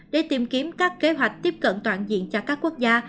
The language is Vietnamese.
để tìm kiếm các kế hoạch tiếp cận toàn diện cho các quốc gia